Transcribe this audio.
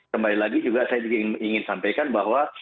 kembali lagi juga saya ingin sampaikan bahwa